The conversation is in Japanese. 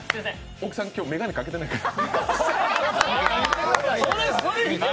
大木さん、今日眼鏡かけてないから。